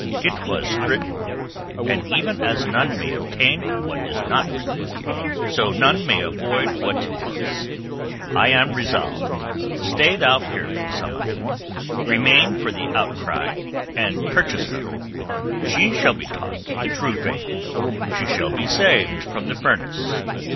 "It was written; and even as none may obtain what is not written, so none may avoid what is. I am resolved. Stay thou here, Tsamanni. Remain for the outcry and purchase her. She shall be taught the True Faith. She shall be saved from the furnace."